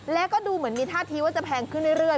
แล้วก็ดูเหมือนมีท่าทีว่าจะแพงขึ้นเรื่อย